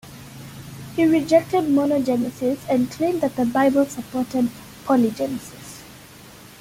He rejected Monogenesis, and claimed that the Bible supported Polygenisis.